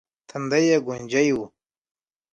تندی يې ګونجې و.